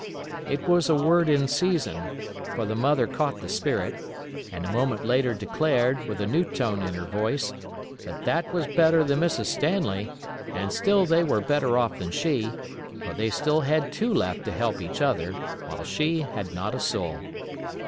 It was a word in season, for the mother caught the spirit, and a moment later declared, with a new tone in her voice, that that was better than Mrs. Stanley, and still they were better off than she, for they still had two left to help each other, while she had not a soul.